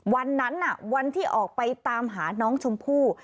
วันนั้นวันที่ออกไปตามหาน้องชมพู่